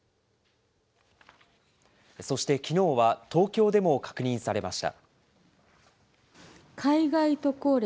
そしてきのうは東京でも確認されました。